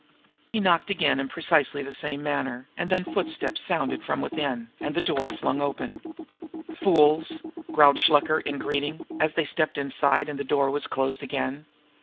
He knocked again in precisely the same manner, and then a footstep sounded from within, and the door was flung open. "Fools!" growled Shluker in greeting, as they stepped inside and the door was closed again.